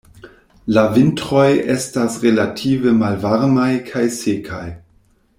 La vintroj estas relative malvarmaj kaj sekaj.